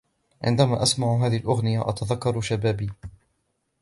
عندما أسمع هذه الأغنية أتذكر شبابي.